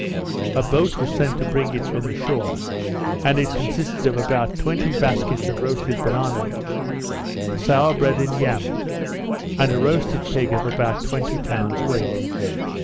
A boat was sent to bring it from the shore; and it consisted of about twenty baskets of roasted bananoes, sour bread, and yams, and a roasted pig of about twenty pounds weight.